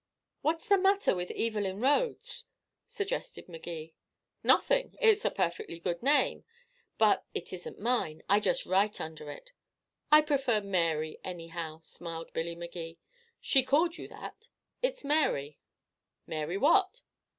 "What's the matter with Evelyn Rhodes?" suggested Magee. "Nothing. It's a perfectly good name. But it isn't mine. I just write under it." "I prefer Mary, anyhow," smiled Billy Magee. "She called you that. It's Mary." "Mary what?"